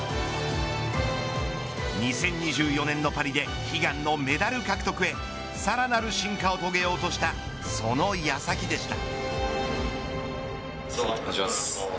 ２０２４年のパリで悲願のメダル獲得へさらなる進化を遂げようとしたその矢先でした。